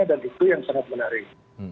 dan itu yang sangat menarik